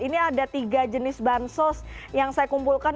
ini ada tiga jenis bansos yang saya kumpulkan